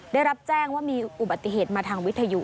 ได้รับแจ้งว่ามีอุบัติเหตุมาทางวิทยุ